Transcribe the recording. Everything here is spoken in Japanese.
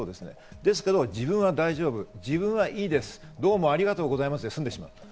だけど自分は大丈夫、自分はいいです、どうもありがとうございますですんでしまう。